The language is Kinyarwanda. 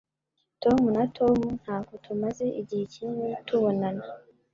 Tom na Tom ntabwo tumaze igihe kinini tubonana.